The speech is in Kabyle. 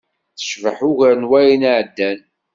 Tecbeḥ, ugar n wayen iɛeddan.